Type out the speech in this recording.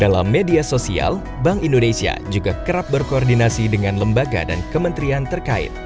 dalam media sosial bank indonesia juga kerap berkoordinasi dengan lembaga dan kementerian terkait